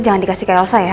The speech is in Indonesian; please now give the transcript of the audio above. jangan dikasih ke elsa ya